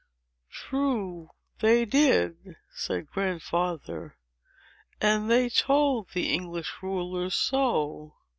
"True, they did," said Grandfather; "and they told the English rulers so.